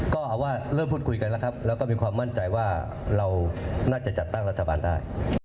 ก็เอาว่าเริ่มพูดคุยกันแล้วครับแล้วก็มีความมั่นใจว่าเราน่าจะจัดตั้งรัฐบาลได้